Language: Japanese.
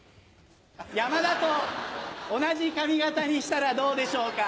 山田と同じ髪形にしたらどうでしょうか？